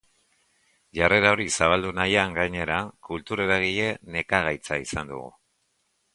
Jarrera hori zabaldu nahian, gainera, kultur eragile nekagaitza izan dugu.